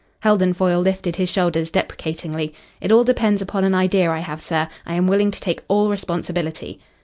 Heldon Foyle lifted his shoulders deprecatingly. "It all depends upon an idea I have, sir. I am willing to take all responsibility."